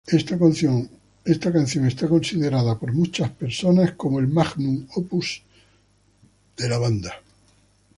Esta canción es considerado por muchas personas como el Magnum Opus de la banda.